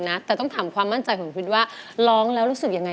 แค่อบสรรควันหายปวดร้าวสว่างใน